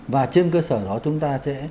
và trên cơ sở đó chúng ta sẽ